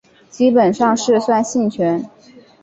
基本上是酸性泉。